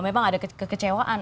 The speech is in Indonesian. memang ada kekecewaan